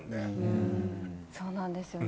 そうなんですよね。